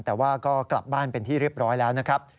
แต่ว่าก็กลับบ้านเป็นที่เรียบร้อยแล้วนะครับ